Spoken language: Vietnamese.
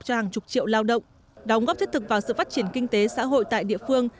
cho hàng chục triệu lao động đóng góp thiết thực vào sự phát triển kinh tế xã hội tại địa phương